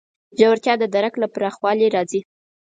ژورتیا د درک له پراخوالي راځي.